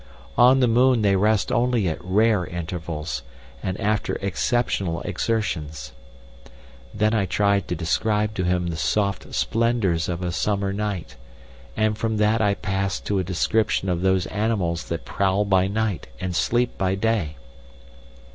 On the moon they rest only at rare intervals, and after exceptional exertions. Then I tried to describe to him the soft splendours of a summer night, and from that I passed to a description of those animals that prowl by night and sleep by day.